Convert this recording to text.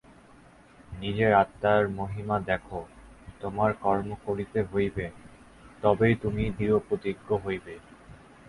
নিজের আত্মার মহিমা দেখ! তোমার কর্ম করিতে হইবে, তবেই তুমি দৃঢ়প্রতিজ্ঞ হইবে।